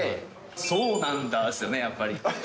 そうなんだですよね、やっぱり。